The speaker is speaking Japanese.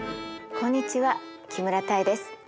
こんにちは木村多江です。